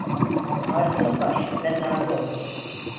Ağrısız baş mezarda olur.